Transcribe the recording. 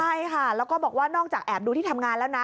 ใช่ค่ะแล้วก็บอกว่านอกจากแอบดูที่ทำงานแล้วนะ